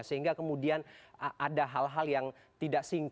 sehingga kemudian ada hal hal yang tidak singkat